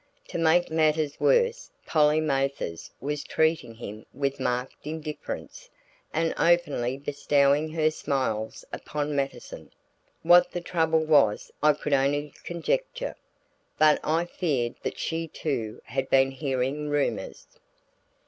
To make matters worse Polly Mathers was treating him with marked indifference, and openly bestowing her smiles upon Mattison; what the trouble was I could only conjecture, but I feared that she too had been hearing rumors.